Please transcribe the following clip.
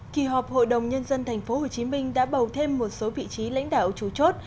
kỳ họp hội đồng nhân dân tp hcm đã bầu thêm một số vị trí lãnh đạo chủ chốt